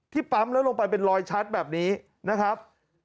ปั๊มแล้วลงไปเป็นรอยชัดแบบนี้นะครับ